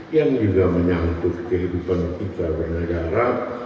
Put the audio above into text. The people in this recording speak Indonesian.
yang juga menyangkut kehidupan kita bernegara